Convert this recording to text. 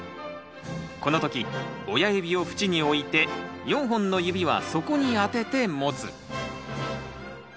この時親指を縁に置いて４本の指は底に当てて持つ。